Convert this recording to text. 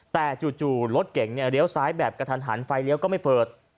แต่จู่รถเก่งเนี่ยเลี้ยวซ้ายแบบกระทันหันไฟเลี้ยวก็ไม่เปิด